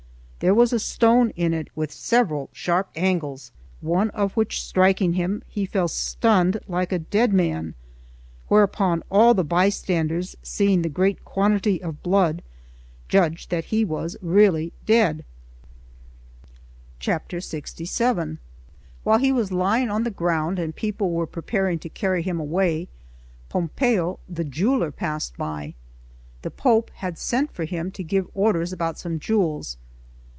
There was a stone in it with several sharp angles, one of which striking him, he fell stunned like a dead man: whereupon all the bystanders, seeing the great quantity of blood, judged that he was really dead. Note 1. The MS. has Figi; but this is probably a mistake of the amanuensis. LXVII WHILE he was still lying on the ground, and people were preparing to carry him away, Pompeo the jeweller passed by. The Pope had sent for him to give orders about some jewels.